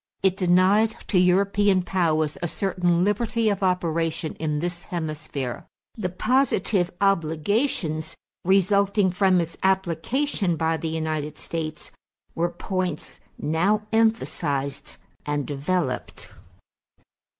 It denied to European powers a certain liberty of operation in this hemisphere. The positive obligations resulting from its application by the United States were points now emphasized and developed.